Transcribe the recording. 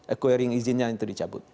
acquiring izinnya itu dicabut